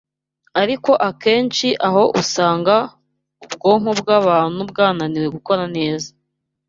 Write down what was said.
Ariko akenshi aho usanga ubwonko bw’abantu bwananiwe gukora neza